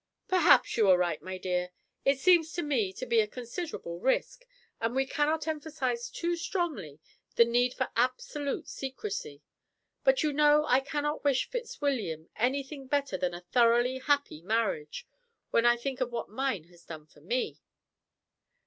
"Perhaps you are right, my dear; it seems to me to be a considerable risk, and we cannot emphasize too strongly the need for absolute secrecy; but you know I cannot wish Fitzwilliam anything better than a thoroughly happy marriage, when I think of what mine has done for me."